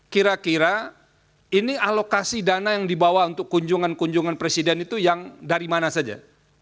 kira kira ini alokasi dana yang dibawa untuk kunjungan kunjungan presiden itu yang dari mana saja